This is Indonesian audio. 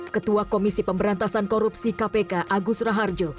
ketua komisi pemberantasan korupsi kpk agus raharjo